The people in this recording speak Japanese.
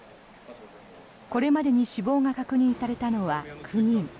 これまでに死亡が確認されたのは９人。